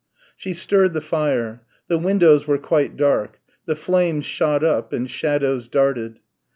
She stirred the fire. The windows were quite dark. The flames shot up and shadows darted.